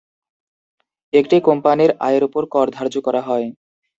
একটি কোম্পানির আয়ের উপর কর ধার্য করা হয়।